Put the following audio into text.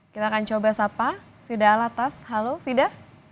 kita akan coba sapa fida alatas halo fida